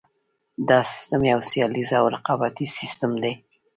دا سیستم یو سیالیز او رقابتي سیستم دی.